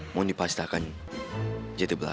mondi pasti akan jadi belaku